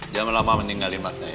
jangan lama meninggalin masnya ya